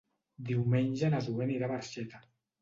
Diumenge na Zoè anirà a Barxeta.